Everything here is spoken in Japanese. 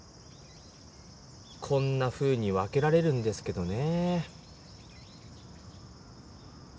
こんなふうに分けられるんですけどね。